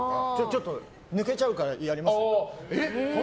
ちょっと抜けちゃうからやりますね。